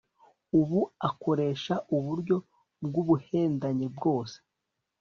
ubu akoresha uburyo bwubuhendanyi bwose